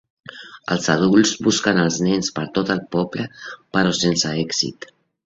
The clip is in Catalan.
Els adults busquen els nens per tot el poble, però sense èxit.